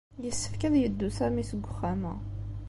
Yessefk ad yeddu Sami seg uxxam-a.